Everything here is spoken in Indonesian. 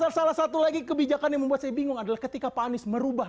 dan salah satu lagi kebijakan yang membuat saya bingung adalah ketika pak anies merubah